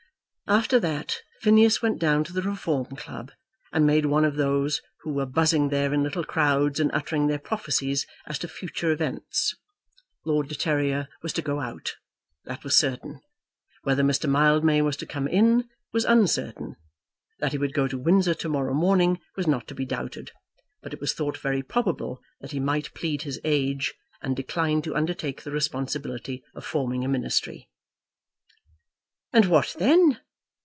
After that Phineas went down to the Reform Club, and made one of those who were buzzing there in little crowds and uttering their prophecies as to future events. Lord de Terrier was to go out. That was certain. Whether Mr. Mildmay was to come in was uncertain. That he would go to Windsor to morrow morning was not to be doubted; but it was thought very probable that he might plead his age, and decline to undertake the responsibility of forming a Ministry. "And what then?"